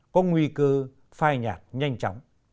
có nguy cư phai nhạt nhanh chóng